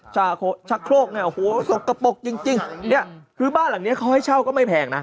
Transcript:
ชาโฆชะโครกไงโหสกปกจริงจริงเนี้ยคือบ้านหลังเนี้ยเขาให้เช่าก็ไม่แพงน่ะ